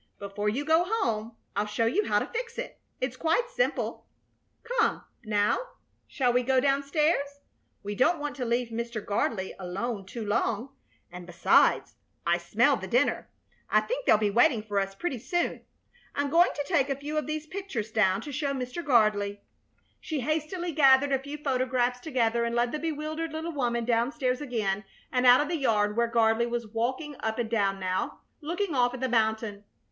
Before you go home I'll show you how to fix it. It's quite simple. Come, now, shall we go down stairs? We don't want to leave Mr. Gardley alone too long, and, besides, I smell the dinner. I think they'll be waiting for us pretty soon. I'm going to take a few of these pictures down to show Mr. Gardley." She hastily gathered a few photographs together and led the bewildered little woman down stairs again, and out in the yard, where Gardley was walking up and down now, looking off at the mountain.